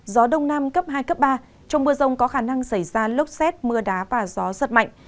gió đông nam cấp hai cấp ba trong mưa rông có khả năng xảy ra lốc xét mưa đá và gió giật mạnh